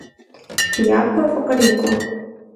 Фи япэ фӏы кърикӏуэ.